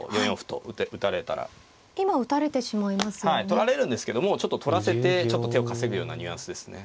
取られるんですけどもうちょっと取らせてちょっと手を稼ぐようなニュアンスですね。